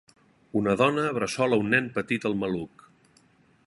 Una dona bressola un nen petit al maluc.